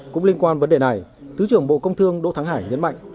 cũng liên quan vấn đề này thứ trưởng bộ công thương đỗ thắng hải nhấn mạnh